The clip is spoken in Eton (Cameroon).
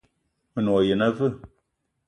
Me ne wa yene aveu?